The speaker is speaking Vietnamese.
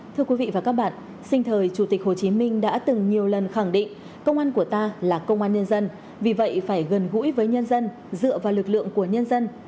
thưa quý vị và các bạn sinh thời chủ tịch hồ chí minh đã từng nhiều lần khẳng định công an của ta là công an nhân dân vì vậy phải gần gũi với nhân dân dựa vào lực lượng của nhân dân